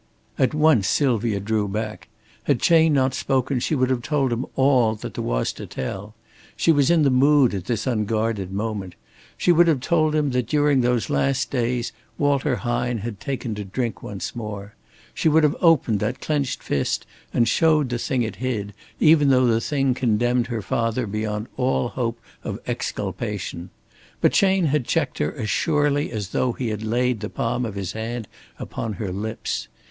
At once Sylvia drew back. Had Chayne not spoken, she would have told him all that there was to tell. She was in the mood at this unguarded moment. She would have told him that during these last days Walter Hine had taken to drink once more. She would have opened that clenched fist and showed the thing it hid, even though the thing condemned her father beyond all hope of exculpation. But Chayne had checked her as surely as though he had laid the palm of his hand upon her lips.